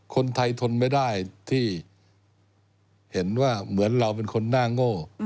คนไทยทนไม่ได้ที่เห็นว่าเหมือนเราเป็นคนหน้าโง่